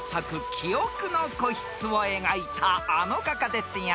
『記憶の固執』を描いたあの画家ですよ］